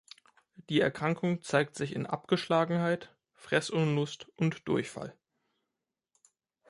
Die Erkrankung zeigt sich in Abgeschlagenheit, Fressunlust und Durchfall.